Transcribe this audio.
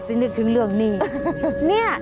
จะนึกถึงเรื่องนี้